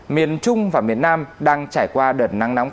miền trung và miền nam đang trải qua đợt nắng nóng